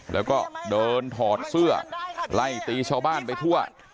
แล้วก็เดินถอดเสื้อไล่ตีชาวบ้านไปทั่ว